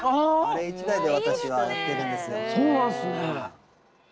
そうなんすね！